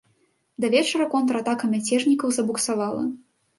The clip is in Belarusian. Да вечара контратака мяцежнікаў забуксавала.